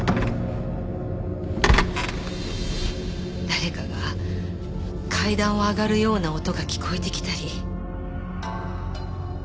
誰かが階段を上がるような音が聞こえてきたり。